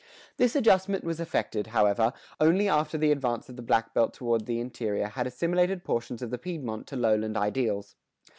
"[118:1] This adjustment was effected, however, only after the advance of the black belt toward the interior had assimilated portions of the Piedmont to lowland ideals.